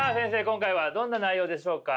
今回はどんな内容でしょうか？